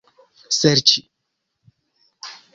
serĉi